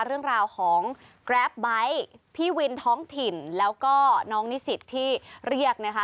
เรื่องราวของแกรปไบท์พี่วินท้องถิ่นแล้วก็น้องนิสิตที่เรียกนะคะ